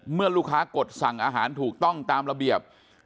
เมื่อลูกค้ากดสั่งอาหารถูกต้องตามระเบียบ